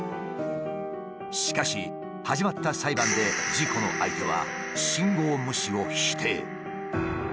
しかし始まった裁判で事故の相手は信号無視を否定。